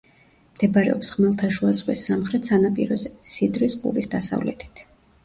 მდებარეობს ხმელთაშუა ზღვის სამხრეთ სანაპიროზე, სიდრის ყურის დასავლეთით.